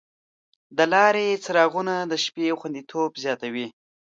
د لارې څراغونه د شپې خوندیتوب زیاتوي.